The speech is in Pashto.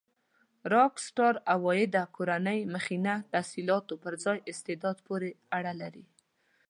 راک سټار عوایده کورنۍ مخینه تحصيلاتو پر ځای استعداد پورې اړه لري.